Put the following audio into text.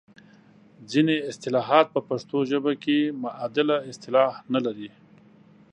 ځینې اصطلاحات په پښتو ژبه کې معادله اصطلاح نه لري.